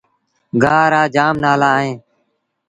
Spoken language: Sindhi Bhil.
گآه رآ جآم نآلآ اهيݩ۔